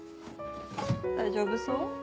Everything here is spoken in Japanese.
大丈夫そう？